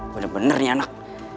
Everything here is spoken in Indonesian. bener bener nih anak